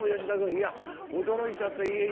「いや驚いちゃった家入」